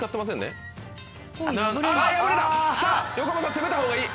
攻めたほうがいい。